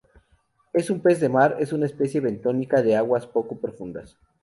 Es un pez de mar, es una especie bentónica de aguas poco profundas.